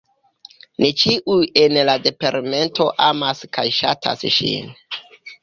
Ni ĉiuj en la Departemento amas kaj ŝatas ŝin.